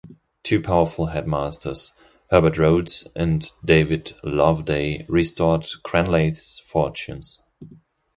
Two powerful headmasters - Herbert Rhodes and David Loveday restored Cranleigh's fortunes.